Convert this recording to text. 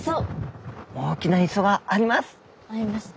大きな磯があります。